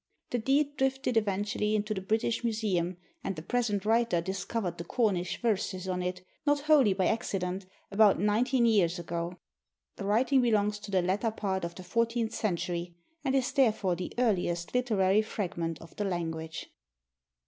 The deed drifted eventually into the British Museum, and the present writer discovered the Cornish verses on it, not wholly by accident, about nineteen years ago. The writing belongs to the latter part of the fourteenth century, and is therefore the earliest literary fragment of the language.